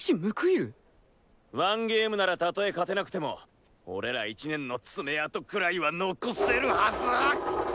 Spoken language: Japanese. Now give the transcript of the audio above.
１ゲームならたとえ勝てなくても俺ら１年の爪痕くらいは残せるはず。